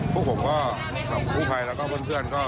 พวกผมก็กู้ภัยแล้วก็เพื่อนพวกเรา